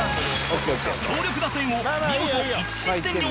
強力打線を見事１失点に抑えた高岸